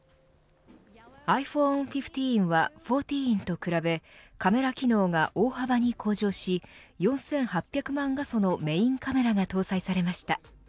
ｉＰｈｏｎｅ１５は１４と比べカメラ機能が大幅に向上し４８００万画素のメーンカメラが搭載されました。